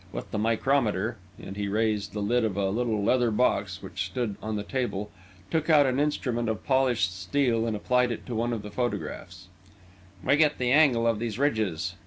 With the micrometer," and he raised the lid of a little leather box which stood on the table, took out an instrument of polished steel and applied it to one of the photographs, "we get the angle of these ridges.